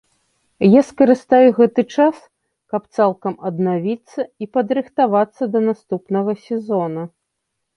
Я скарыстаю гэты час, каб цалкам аднавіцца і падрыхтавацца да наступнага сезона.